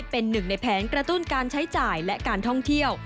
เป็นหนึ่งในแผนกระตุ้นการใช้จ่ายและการท่องเที่ยว